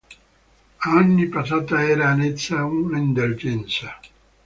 A ogni passata era annessa un'indulgenza.